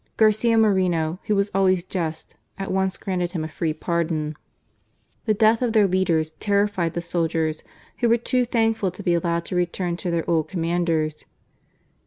Garcia Moreno, who was always just, at once granted him a free pardon. The death of their leaders terrified the soldiers^ who were too thankful to be allowed to return to their old commanders.